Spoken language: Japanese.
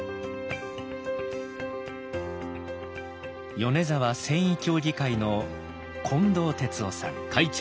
米沢繊維協議会の近藤哲夫さん。